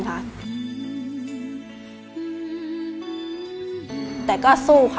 แต่ก็สู้ค่ะ